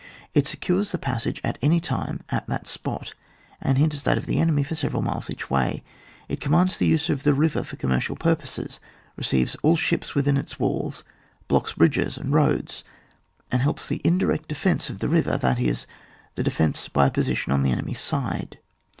It secures the passage at any time at that spot, and hinders that of the enemy for several miles each way, it commands the use of the river for com mercial purposes, receives all ships with in its walls, blocks bridges and roads, and helps the indirect defence of the river, that is, the defence by a position on the enemy's side.